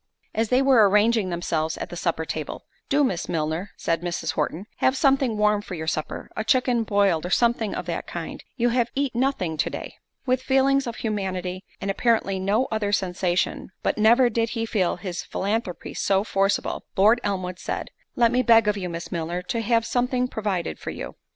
As they were arranging themselves at the supper table, "Do, Miss Milner," said Mrs. Horton, "have something warm for your supper; a chicken boiled, or something of that kind; you have eat nothing to day." With feelings of humanity, and apparently no other sensation—but never did he feel his philanthropy so forcible—Lord Elmwood said, "Let me beg of you, Miss Milner, to have something provided for you."